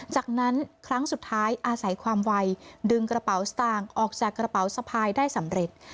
จากนั้นครั้งสุดท้ายอาศัยความไวดึงกระเป๋าสตางค์ออกจากกระเป๋าสะพายได้สำเร็จ